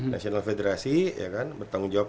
national federasi bertanggung jawab